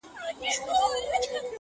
چي ورځ کي يو ساعت ور نه سمه جدي سي وايي